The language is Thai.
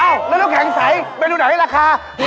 อ้าวแล้วน้ำแข็งใสไปดูไหนล่ะค่ะ